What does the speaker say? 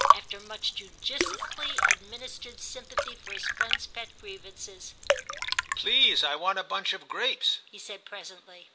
After much judiciously administered sympathy for his friend's pet grievances, ' Please, I want a bunch of grapes,' he said presently.